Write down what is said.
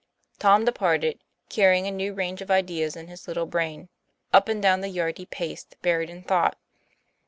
Tom departed, carrying a new range of ideas in his little brain; up and down the yard he paced, buried in thought.